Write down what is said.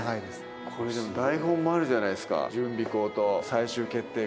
これ台本もあるじゃないですか準備稿と最終決定稿。